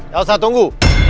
gak usah tunggu